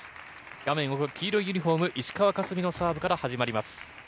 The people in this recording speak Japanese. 画面奥、黄色いユニホーム石川佳純のサーブから始まります。